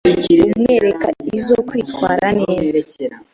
umwereka izo kwitwara neza.